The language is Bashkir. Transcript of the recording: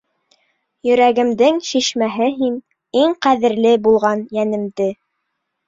Йөрәгемдең шишмәһе һин, Иң ҡәҙерле булған йәнемде.